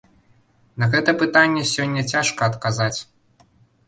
На гэта пытанне сёння цяжка адказаць.